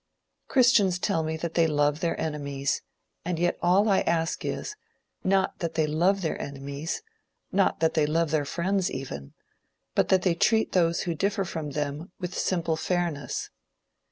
Christians tell me that they love their enemies, and yet all I ask is not that they love their enemies, not that they love their friends even, but that they treat those who differ from them, with simple fairness.